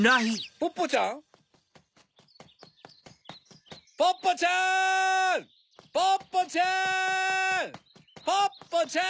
ポッポちゃん‼ポッポちゃん！